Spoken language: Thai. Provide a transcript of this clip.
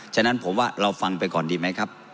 ฉะนั้นผมว่าเราฟังไปก่อนดีไหมครับ